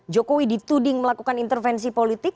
jokowi dituding melakukan intervensi politik